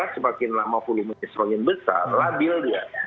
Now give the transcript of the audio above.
sebagian lama pulih menjadi seronin besar labil dia